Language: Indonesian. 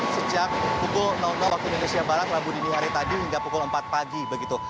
sejak pukul waktu indonesia barat rabu dini hari tadi hingga pukul empat pagi begitu